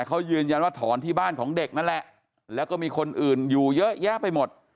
เขายืนยันว่าถอนที่บ้านของเด็กนั่นแหละแล้วก็มีคนอื่นอยู่เยอะแยะไปหมด